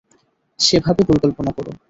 সেভাবে পরিকল্পনা করো।